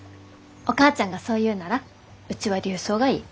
お母ちゃんがそう言うならうちは琉装がいい。